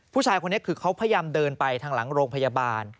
ผู้ชายคนนี้คือเขาพยายามเดินไปทางหลังโรงพยาบาล